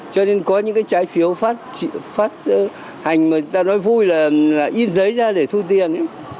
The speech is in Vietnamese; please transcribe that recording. cho nên có những trái phiếu phát hành mà người ta nói vui là im giấy ra để thu tiền